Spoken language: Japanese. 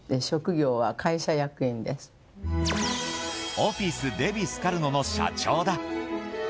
オフィス・デヴィ・スカルノの社長だ。